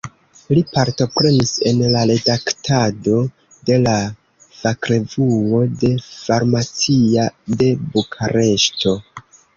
Li partoprenis en la redaktado de la fakrevuo de "Farmacia" de Bukareŝto.